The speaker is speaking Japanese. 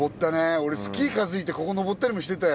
俺スキー担いでここ上ったりもしてたよ。